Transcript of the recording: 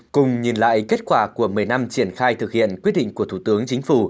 cùng nhìn lại kết quả của một mươi năm triển khai thực hiện quyết định của thủ tướng chính phủ